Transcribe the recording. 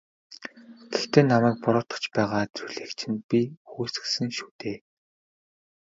Гэхдээ намайг буруутгаж байгаа зүйлийг чинь би үгүйсгэсэн шүү дээ.